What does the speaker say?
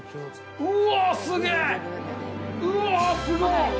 すごい！